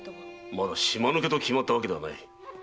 まだ島抜けと決まったわけではない。